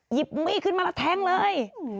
หยิบมีดขึ้นมาแล้วแทงเลย